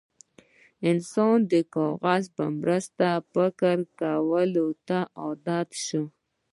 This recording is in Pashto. انسان د کاغذ په مرسته فکر کولو ته عادت شو.